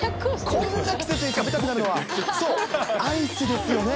こんな季節に食べたくなるのは、そう、アイスですよね。